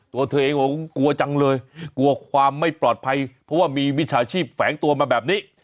ตัวเธอเองบอกกลัวจังเลยกลัวความไม่ปลอดภัยเพราะว่ามีมิจฉาชีพแฝงตัวมาแบบนี้